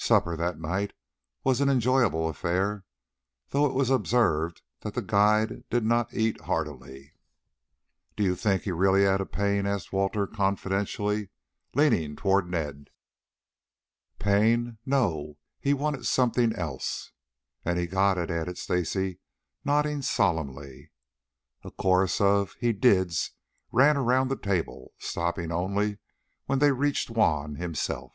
Supper that night was an enjoyable affair, though it was observed that the guide did not eat heartily. "Do you think he really had a pain?" asked Walter confidentially, leaning toward Ned. "Pain? No. He wanted something else." "And he got it," added Stacy, nodding solemnly. A chorus of "he dids" ran around the table, stopping only when they reached Juan himself.